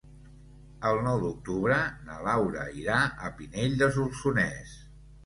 El nou d'octubre na Laura irà a Pinell de Solsonès.